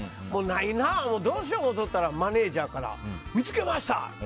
ないな、どうしよう思うとったらマネジャーから見つけました。